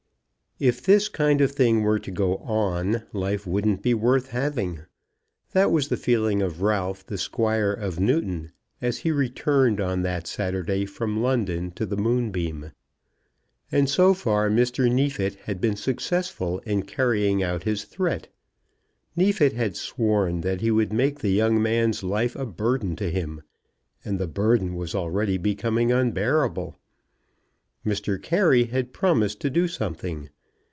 If this kind of thing were to go on, life wouldn't be worth having. That was the feeling of Ralph, the squire of Newton, as he returned on that Saturday from London to the Moonbeam; and so far Mr. Neefit had been successful in carrying out his threat. Neefit had sworn that he would make the young man's life a burden to him, and the burden was already becoming unbearable. Mr. Carey had promised to do something.